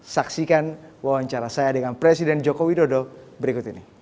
saksikan wawancara saya dengan presiden jokowi dodo berikut ini